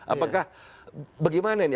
apakah bagaimana ini